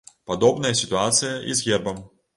Падобная сітуацыя і з гербам.